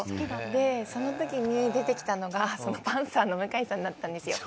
でその時に出てきたのがパンサーの向井さんだったんですよ。